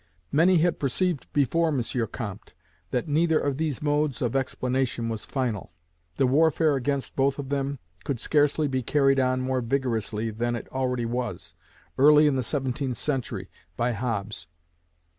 Many had perceived before M. Comte that neither of these modes of explanation was final: the warfare against both of them could scarcely be carried on more vigorously than it already was, early in the seventeenth century, by Hobbes.